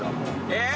えっ？